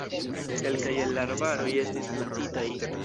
Kelkaj el la arbaro estis plantitaj.